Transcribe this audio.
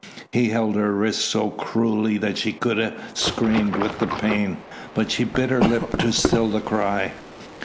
He held her wrists so cruelly that she could have screamed with the pain, but she bit her lip to still the cry.